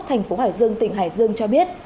thành phố hải dương tỉnh hải dương cho biết